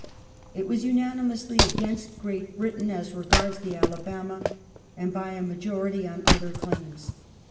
It was unanimously against Great Britain as regards the Alabama, and, by a majority, on other claims.